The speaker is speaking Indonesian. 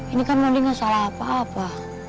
ini kan nondi gak salah apa apa